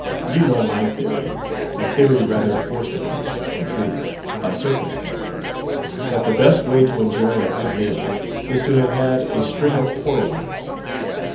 You know my theory, a theory rather forced upon me, in truth, by circumstances, that the best way to enjoy a good meal is to have had a string of poor ones.